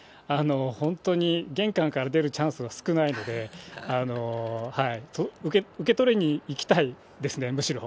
本当に玄関から出るチャンスが少ないので、受け取りに行きたいですね、むしろ。